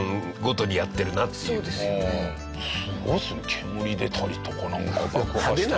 煙出たりとかなんか爆破したり。